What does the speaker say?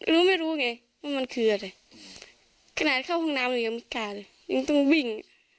รู้ไม่รู้ไงว่ามันคืออะไรขนาดเข้าห้องน้ำเรายังพิการยังต้องวิ่ง